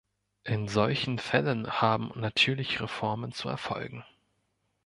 In solchen Fällen haben natürlich Reformen zu erfolgen.